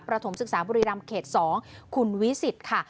ประถมศึกษาบริรามเขต๒คุณวิสิทธิ์ค่ะ